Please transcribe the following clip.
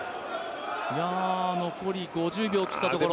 残り５０秒を切ったところ。